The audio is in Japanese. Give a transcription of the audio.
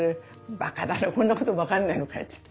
「バカだなこんなことも分かんないのかい」っつって。